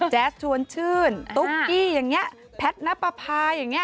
แจ๊สชวนชื่นตุ๊กกี้อย่างนี้แพทย์นับประพาอย่างนี้